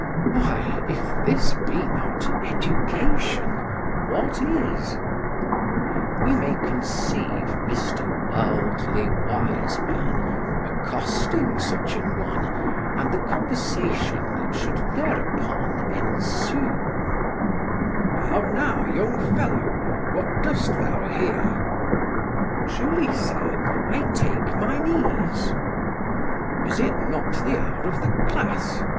Why, if this be not education, what is? We may conceive Mr. Worldly Wiseman accosting such an one, and the conversation that should thereupon ensue: "How, now, young fellow, what dost thou here?" "Truly, sir, I take mine ease." "Is not this the hour of the class?